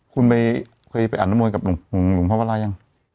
คุณไปเคยไปอ่านน้ำมนต์กับหลวงพ่อวรายัง